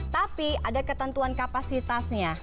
tapi ada ketentuan kapasitasnya